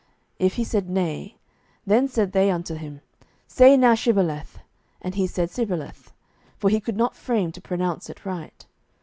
If he said, Nay; 07:012:006 Then said they unto him, Say now Shibboleth: and he said Sibboleth: for he could not frame to pronounce it right.